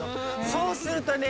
そうするとね